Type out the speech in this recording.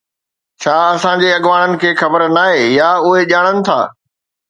ڇا اسان جي اڳواڻن کي خبر ناهي يا اهي ڄاڻن ٿا